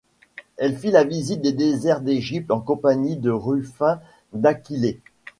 Elle fit la visite des déserts d'Égypte en compagnie de Rufin d'Aquilée.